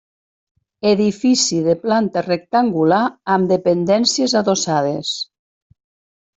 Edifici de planta rectangular amb dependències adossades.